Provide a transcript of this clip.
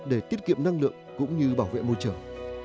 để tiết kiệm năng lượng cũng như bảo vệ môi trường